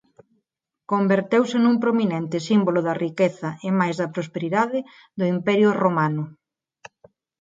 Converteuse nun prominente símbolo da riqueza e mais da prosperidade do Imperio romano.